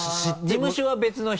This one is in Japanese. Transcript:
事務所は別の人？